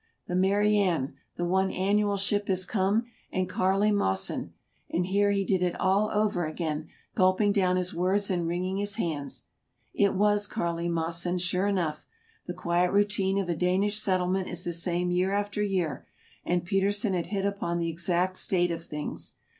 The ' Mariane ' (the one annual ship) has come, and Carlie Mossyn —" and here he did it all over again, gulping down his words and wringing his hands. It was Carlie Mossyn, sure enough. The quiet routine of a Danish settlement is the same year after year, and Petersen had hit upon the exact state of things.